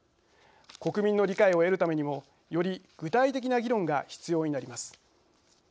国民の理解を得るためにもより具体的な議論が必要になります。